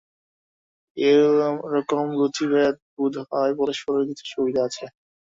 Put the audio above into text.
এরকম রুচিভেদে বোধ হয় পরস্পরের কিছু সুবিধা আছে।